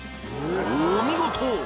お見事。